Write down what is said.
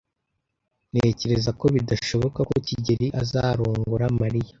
Ntekereza ko bidashoboka ko kigeli azarongora Mariya.